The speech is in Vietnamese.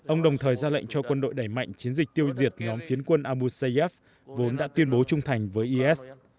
ông đồng thời ra lệnh cho quân đội đẩy mạnh chiến dịch tiêu diệt nhóm phiến quân abu seyev vốn đã tuyên bố trung thành với is